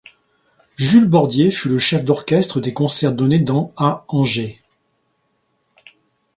Jules Bordier fut le chef d'orchestre des concerts donnés dans à Angers.